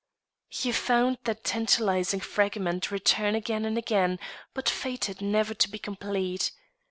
He found that tantalising fragment return again and again, but fated never to be complete.